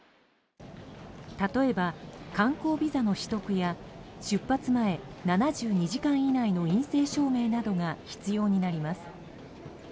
例えば、観光ビザの取得や出発の７２時間以内の陰性証明などが必要になります。